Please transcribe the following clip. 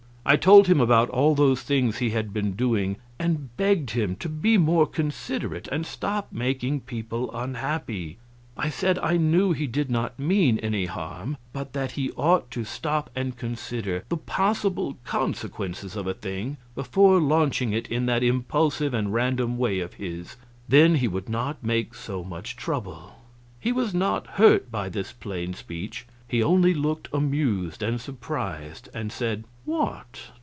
I told him about all those things he had been doing, and begged him to be more considerate and stop making people unhappy. I said I knew he did not mean any harm, but that he ought to stop and consider the possible consequences of a thing before launching it in that impulsive and random way of his; then he would not make so much trouble. He was not hurt by this plain speech; he only looked amused and surprised, and said: "What?